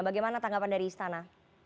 bagaimana tanggapan dari istana